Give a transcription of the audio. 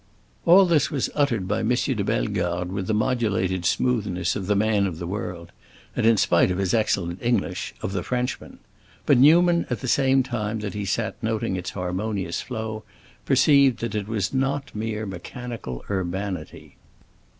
All this was uttered by M. de Bellegarde with the modulated smoothness of the man of the world, and in spite of his excellent English, of the Frenchman; but Newman, at the same time that he sat noting its harmonious flow, perceived that it was not mere mechanical urbanity.